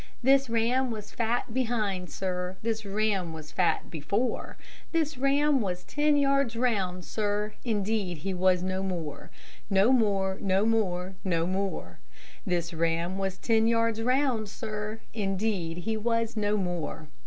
This ram was fat behind, sir; this ram was fat before; This ram was ten yards round, sir; indeed, he was no more; No more, no more, no more; This ram was ten yards round, sir; indeed, he was no more.